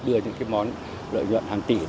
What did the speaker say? đưa những món lợi nhuận hàng tỷ